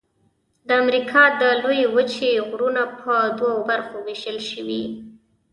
د امریکا د لویې وچې غرونه په دوو برخو ویشل شوي.